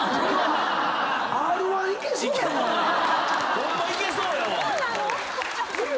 ホンマいけそうやわ。